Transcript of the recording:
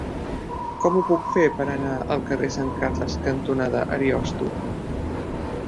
Com ho puc fer per anar al carrer Sant Carles cantonada Ariosto?